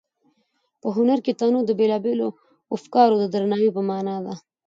په هنر کې تنوع د بېلابېلو افکارو د درناوي په مانا ده.